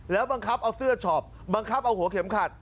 แล้วบังคับเอาเสื้อช็อปบังคับเอาหัวเข็มขัด